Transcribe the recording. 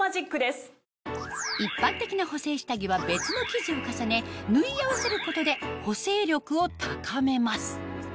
一般的な補整下着は別の生地を重ね縫い合わせることで補整力を高めます